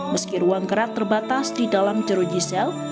meski ruang gerak terbatas di dalam jeruji sel